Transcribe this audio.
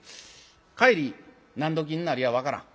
帰り何どきになるや分からん。